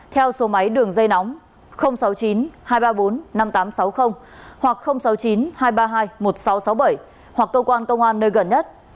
theo số máy đường dây nóng sáu mươi chín hai trăm ba mươi bốn năm nghìn tám trăm sáu mươi hoặc sáu mươi chín hai trăm ba mươi hai một nghìn sáu trăm sáu mươi bảy hoặc cơ quan công an nơi gần nhất